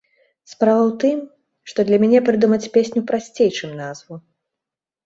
Справа ў тым, што для мяне прыдумаць песню прасцей, чым назву.